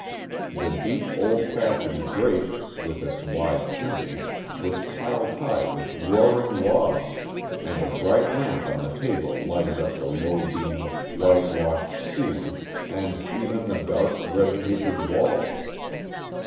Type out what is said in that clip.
The deep, old fashioned grate with its wide chimney was piled high with roaring logs, and a bright lamp on the table lighted up the low beamed, whitewashed ceiling, and even the dark, red papered walls.